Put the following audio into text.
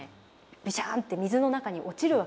ベシャーンって水の中に落ちるわけですよ。